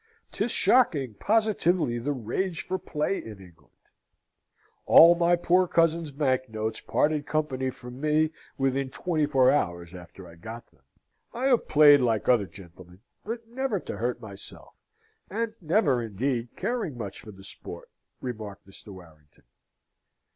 'Tis shocking, positively, the rage for play in England. All my poor cousin's bank notes parted company from me within twenty four hours after I got them." "I have played, like other gentlemen, but never to hurt myself, and never indeed caring much for the sport," remarked Mr. Warrington.